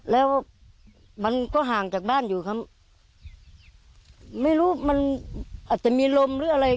แล้วมันก็ห่างจากบ้านอยู่ครับไม่รู้มันอาจจะมีลมหรืออะไร